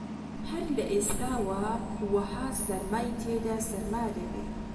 هەر لە ئێستاوە وەها سەرمای تێدا سەرما دەبێ